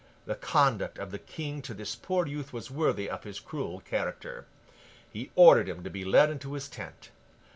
The conduct of the King to this poor youth was worthy of his cruel character. He ordered him to be led into his tent.